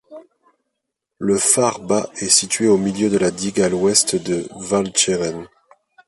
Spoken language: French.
Le phare bas est situé au milieu de la digue à l'ouest de Walcheren.